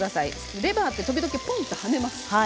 レバーって時々ぽんっと跳ねます。